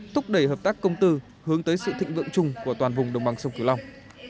thúc đẩy hợp tác công tư hướng tới sự thịnh vượng chung của toàn vùng đồng bằng sông kiều long